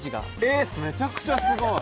めちゃくちゃすごい！